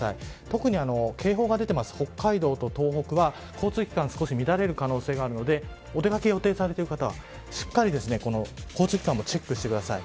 特に警報が出ている北海道と東北は交通機関少し乱れる可能性があるのでお出掛けを予定されている方はしっかり交通機関もチェックしてください。